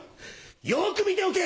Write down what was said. よく見ておけ！